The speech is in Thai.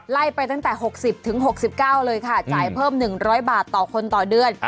ไล่ไปตั้งแต่๖๐๖๙เลยค่ะจ่ายเพิ่ม๑๐๐บาทต่อคนต่อเดือน